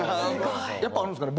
やっぱあるんですかね？